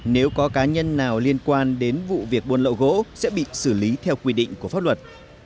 nếu có cá nhân nào liên quan đến vụ việc buôn lậu gỗ sẽ bị xử lý theo quy định của pháp luật